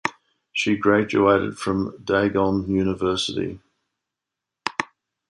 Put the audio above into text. She graduated from Dagon University.